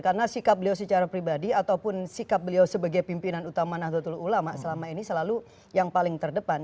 karena sikap beliau secara pribadi ataupun sikap beliau sebagai pimpinan utama natuatu ulama selama ini selalu yang paling terdepan